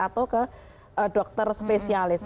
atau ke dokter spesialis